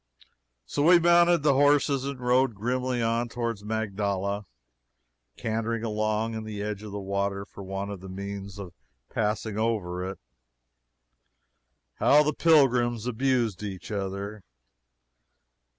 So we mounted the horses and rode grimly on toward Magdala, cantering along in the edge of the water for want of the means of passing over it. How the pilgrims abused each other!